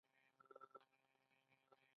موږ په خپل یووالي ویاړو.